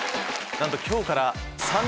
なんと今日から。